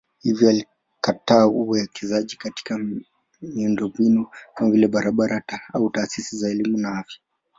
Hivyo alikataa uwekezaji katika miundombinu kama vile barabara au taasisi za elimu na afya.